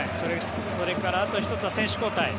それからあと１つは選手交代。